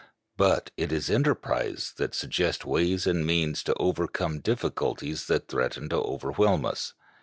But it is enterprise that suggests ways and means to overcome difficulties that threaten to overwhelm us.